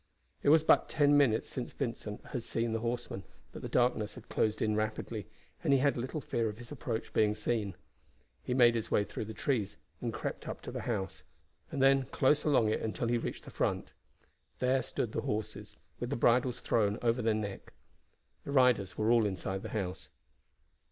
It was but ten minutes since Vincent had seen the horsemen, but the darkness had closed in rapidly, and he had little fear of his approach being seen. He made his way through the trees, and crept up to the house, and then kept close along it until he reached the front. There stood the horses, with the bridles thrown over their neck. The riders were all inside the house.